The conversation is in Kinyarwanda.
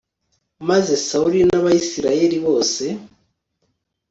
maze sawuli n'abayisraheli bose